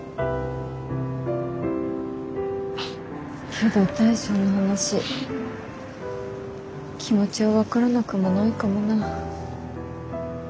けど大将の話気持ちは分からなくもないかもなぁ。